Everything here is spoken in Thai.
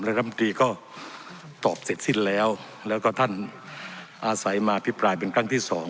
รัฐมนตรีก็ตอบเสร็จสิ้นแล้วแล้วก็ท่านอาศัยมาพิปรายเป็นครั้งที่สอง